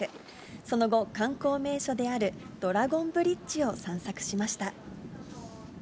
その後、観光名所であるドラゴンブリッジを散策しました。